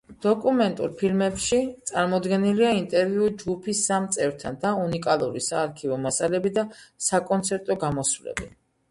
დოკუმენტურ ფილმებში წარმოდგენილია ინტერვიუ ჯგუფის სამ წევრთან და უნიკალური საარქივო მასალები და საკონცერტო გამოსვლები.